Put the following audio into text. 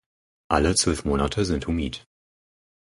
Alle zwölf Monate sind humid.